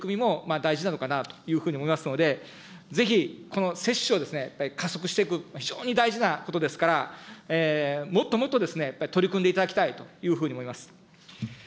大事なのかなというふうに思いますので、ぜひこの接種をやっぱり加速していく、非常に大事なことですから、もっともっとやっぱり取り組んでいただきたいというふうに思います。